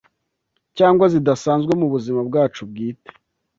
cyangwa zidasanzwe mubuzima bwacu bwite